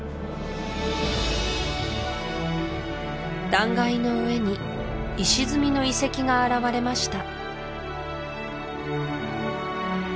断崖の上に石積みの遺跡が現れました